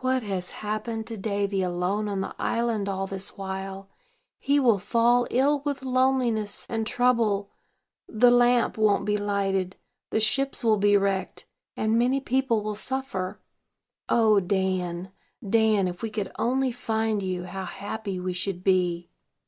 "What has happened to Davy alone on the island all this while? He will fall ill with loneliness and trouble; the lamp won't be lighted, the ships will be wrecked, and many people will suffer. O Dan, Dan, if we could only find you, how happy we should be!"